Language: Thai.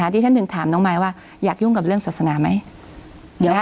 ที่ฉันถึงถามน้องมายว่าอยากยุ่งกับเรื่องศาสนาไหม